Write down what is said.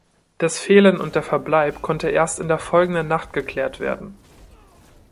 Das Fehlen und der Verbleib konnte erst in der folgenden Nacht geklärt werden.